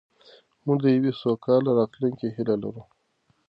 موږ د یوې سوکاله راتلونکې هیله لرو.